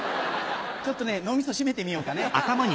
ちょっとね脳みそ締めてみようかね。